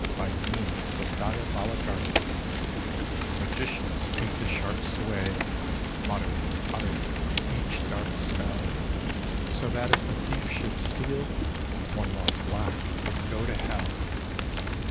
By means of diabolic art 19 De Luxe . Magicians keep the sharks away ; Mutter, utter, each dark spell. So that if a thief should steal, One more black would go to Hell.